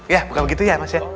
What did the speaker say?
ya bukan begitu ya mas ya